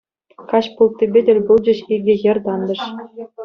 Каҫ пулттипе тӗл пулчӗҫ икӗ хӗр тантӑш.